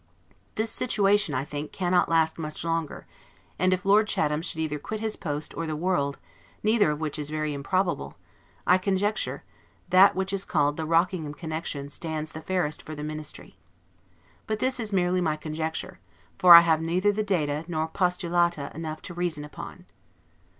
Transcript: This situation, I think, cannot last much longer, and if Lord Chatham should either quit his post, or the world, neither of which is very improbable, I conjecture, that which is called the Rockingham Connection stands the fairest for the Ministry. But this is merely my conjecture, for I have neither 'data' nor 'postulata' enough to reason upon.